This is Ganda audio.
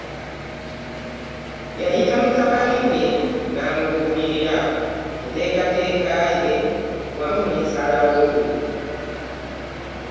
Yayita mutabani we n'amubuulira enteekateeka ye wamu n'ensalawo ye.